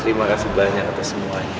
terima kasih banyak atas semuanya